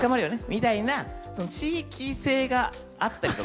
みたいな地域性があったりとか。